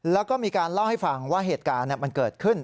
แล้วก็มีการเล่าให้ฟังว่าเหตุการณ์มันเกิดขึ้น